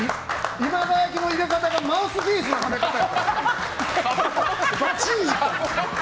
今川焼の入れ方がマウスピースのはめ方や。